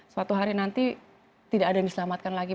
suatu hari nanti tidak ada yang diselamatkan lagi